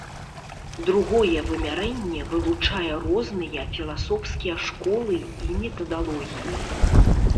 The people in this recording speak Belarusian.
Другое вымярэнне вылучае розныя філасофскія школы і метадалогіі.